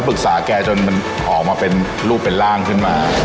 ก็ปรึกษาแก่จนมันออกมาเป็นลูกเป็นร่างขึ้นมา